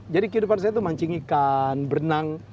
jadi kehidupan saya itu mancing ikan berenang